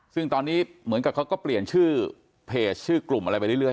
ซึ่งตอนนี้เหมือนกับเขาก็เปลี่ยนชื่อเพจชื่อกลุ่มอะไรไปเรื่อย